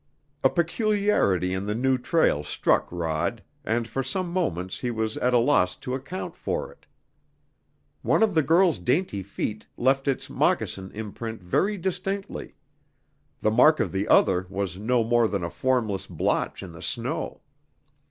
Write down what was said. A peculiarity in the new trail struck Rod, and for some moments he was at a loss to account for it. One of the girl's dainty feet left its moccasin imprint very distinctly; the mark of the other was no more than a formless blotch in the snow.